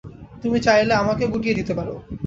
তুমি চাইলে আমাকেও গুটিয়ে দিতে পারো।